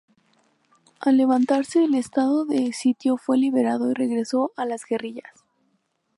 Al levantarse el Estado de sitio fue liberado y regresó a las guerrillas.